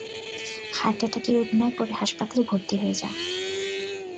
Heart অ্যাটাকের অভিনয় করে হাসপাতালে ভর্তি হয়ে যা।